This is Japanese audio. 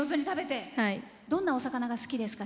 どんなお魚が好きですか？